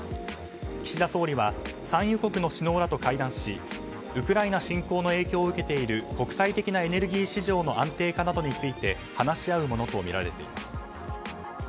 岸田総理は産油国の首脳らと会談しウクライナ侵攻の影響を受けている国際的なエネルギー市場の安定化などについて話し合うものとみられています。